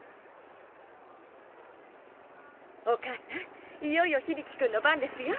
お母さんいよいよ響くんの番ですよ。